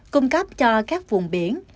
cung cấp cho các vùng biển